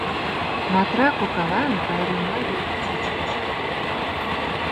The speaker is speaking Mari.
Матра кокалан пайремла веле чучеш.